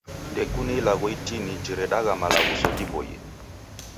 Ndekuna ilagho itini jiredagha maghaluso ghiboie.